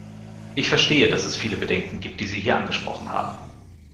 Ich verstehe, dass es viele Bedenken gibt, die Sie hier angesprochen haben.